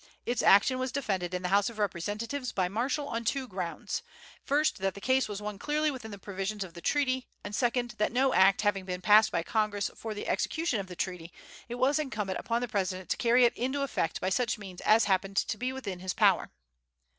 Its action was defended in the House of Representatives by Marshall on two grounds: first, that the case was one clearly within the provisions of the treaty; and, second, that no act having been passed by Congress for the execution of the treaty, it was incumbent upon the President to carry it into effect by such means as happened to be within his power.